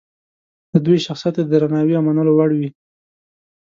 د دوی شخصیت د درناوي او منلو وړ وي.